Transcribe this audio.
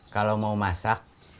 kalau mau masak